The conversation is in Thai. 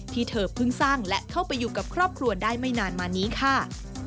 เธอเพิ่งสร้างและเข้าไปอยู่กับครอบครัวได้ไม่นานมานี้ค่ะ